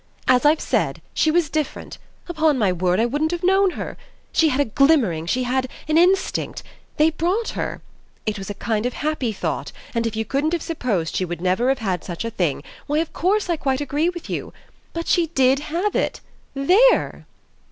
"As I've said, she was different; upon my word I wouldn't have known her. She had a glimmering, she had an instinct; they brought her. It was a kind of happy thought, and if you couldn't have supposed she would ever have had such a thing, why of course I quite agree with you. But she did have it! There!"